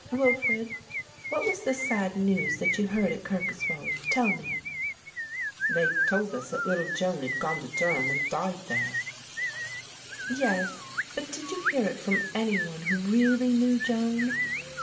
"Wilfred, what was the sad news that you heard at Kirkoswald? Tell me." "They told us that little Joan had gone to Durham and died there." "Yes, but did you hear it from any one who really knew Joan?"